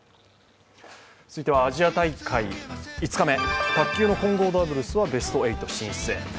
続いてはアジア大会５日目、卓球の混合ダブルスはベスト８進出。